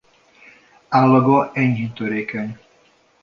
Állaga enyhén törékeny.